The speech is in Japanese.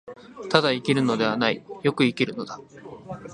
ただ生きるのではない、善く生きるのだ。